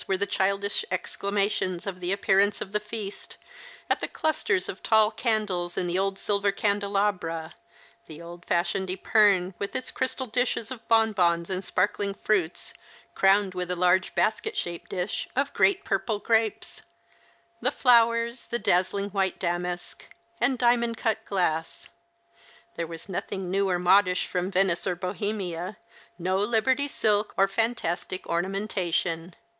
137 were the childish exclamations at the appearance of the feast, at the clusters of tall candles in the old silver candelabra, the old fashioiaed epergne with its crystal dishes of bon bons and sparkling fruits, crowned with a large basket shaped dish of great j)^u'ple grapes ; the flowers, the dazzling white damask, and diamond cut glass. There was nothing new or modish from Venice or Bohemia, no Liberty silk or fantastic ornamentation.